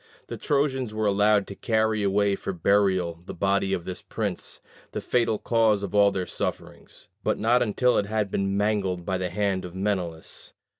The Trojans were allowed to carry away for burial the body of this prince, the fatal cause of all their sufferings; but not until it had been mangled by the hand of Menelaus.